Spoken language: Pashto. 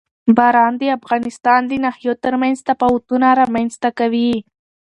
باران د افغانستان د ناحیو ترمنځ تفاوتونه رامنځ ته کوي.